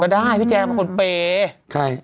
ก็ได้พี่แจ๊มเป็นคนเปย์